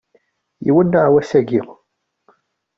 Iwenneɛ wass-aki.